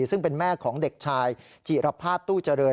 ซึ่งเป็นแม่ของเด็กชายจิรภาษณตู้เจริญ